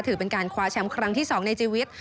ถือเป็นการคว้าแชมป์ครั้งที่๒ในชีวิต